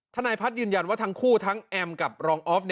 ทนายพัฒน์ยืนยันว่าทั้งคู่ทั้งแอมกับรองออฟ